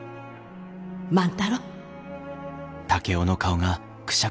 万太郎。